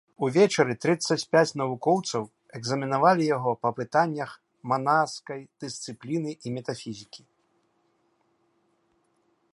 Увечары трыццаць пяць навукоўцаў экзаменавалі яго па пытаннях манаскай дысцыпліны і метафізікі.